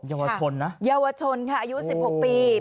เยาวชนนะเยาวชนค่ะอายุสิบหกปีโอ้โห